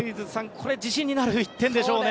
これ自信になる１点でしょうね。